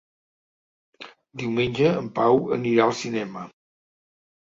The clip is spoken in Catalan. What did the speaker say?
Diumenge en Pau anirà al cinema.